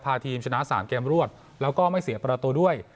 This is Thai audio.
ทีมชนะ๓เกมรวดแล้วก็ไม่เสียประตูด้วย